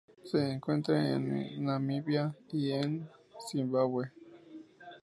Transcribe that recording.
Se encuentra en Namibia y en Zimbabue.